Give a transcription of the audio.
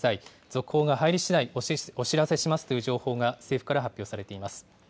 続報が入りしだいお知らせしますという情報が政府から発表されています。